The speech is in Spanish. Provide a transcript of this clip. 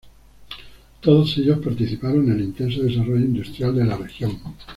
Todos ellos participaron en el intenso desarrollo industrial de la región.